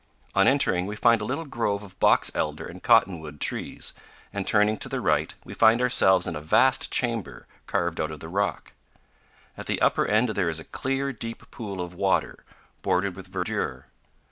On entering, we find a little grove of box elder and cotton wood trees, and turning to the right, we find ourselves in a vast chamber, carved out of the rock. At the upper end there is a clear, deep pool of water, bordered with verdure.